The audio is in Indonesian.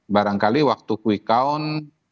barangkali waktu kui kaun